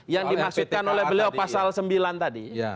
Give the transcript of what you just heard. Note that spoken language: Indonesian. yang dimaksudkan oleh beliau pasal sembilan tadi